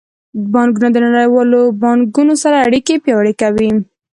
بانکونه د نړیوالو بانکونو سره اړیکې پیاوړې کوي.